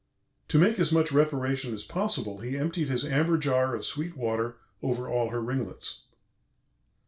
To make as much reparation as possible he emptied his amber jar of sweet water over all her ringlets.